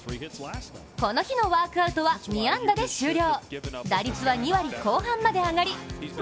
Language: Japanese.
この日のワークアウトは２安打で終了。